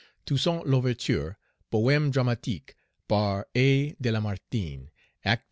""Toussaint L'Ouverture," Poëm Dramatique, par A. De Lamartine. Act II.